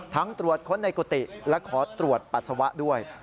ตรวจค้นในกุฏิและขอตรวจปัสสาวะด้วย